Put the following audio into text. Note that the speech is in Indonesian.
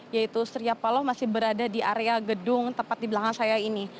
yaitu surya paloh masih berada di area gedung tepat di belakang saya ini